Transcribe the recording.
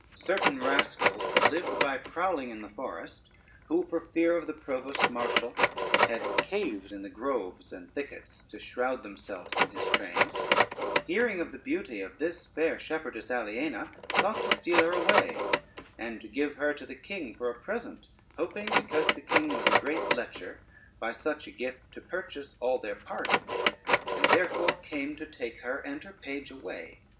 Certain rascals that lived by prowling in the forest, who for fear of the provost marshal had caves in the groves and thickets to shroud themselves from his trains, hearing of the beauty of this fair shepherdess, Aliena, thought to steal her away, and to give her to the king for a present; hoping, because the king was a great lecher, by such a gift to purchase all their pardons, and therefore came to take her and her page away.